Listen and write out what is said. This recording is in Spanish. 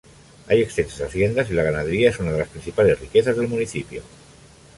Hay extensas haciendas y la ganadería es una de las principales riquezas del municipio.